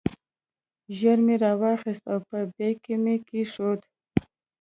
ژر مې را واخیست او په بیک کې مې کېښود.